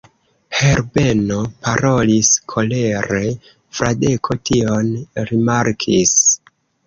Herbeno parolis kolere: Fradeko tion rimarkis.